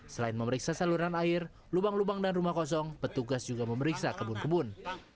selain memeriksa saluran air lubang lubang dan rumah kosong petugas juga memeriksa kebun kebun